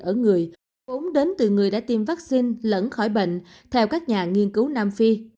nhiều người cũng đến từ người đã tiêm vaccine lẫn khỏi bệnh theo các nhà nghiên cứu nam phi